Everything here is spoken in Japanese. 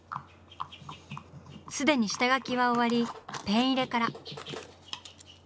すでに下描きは終わりペン入れから。